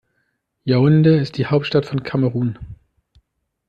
Yaoundé ist die Hauptstadt von Kamerun.